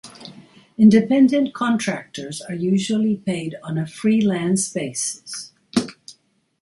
Independent contractors are usually paid on a freelance basis.